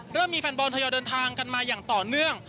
เริ่มมีแฟนบอลทยอยเดินทางกันมาอย่างต่อเนื่อง